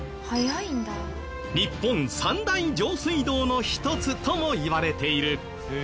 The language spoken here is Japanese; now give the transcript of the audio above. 日本三大上水道の一つともいわれている。